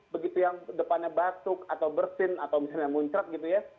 begitu yang depannya batuk atau bersin atau misalnya muncret gitu ya